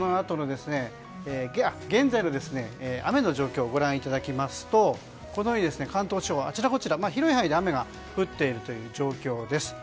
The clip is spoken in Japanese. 現在の雨の状況をご覧いただきますとこのように関東地方は広い範囲で雨が降っている状況です。